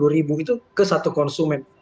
tujuh ratus lima puluh ribu itu ke satu konsumen